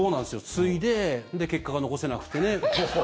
継いでで、結果が残せなくてね。